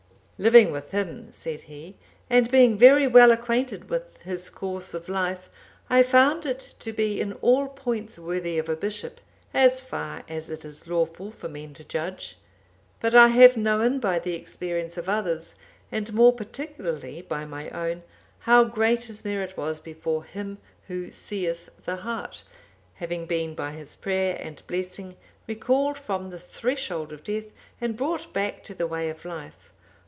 (789) "Living with him," said he, "and being very well acquainted with his course of life, I found it to be in all points worthy of a bishop, as far as it is lawful for men to judge; but I have known by the experience of others, and more particularly by my own, how great his merit was before Him Who seeth the heart; having been by his prayer and blessing recalled from the threshold of death and brought back to the way of life.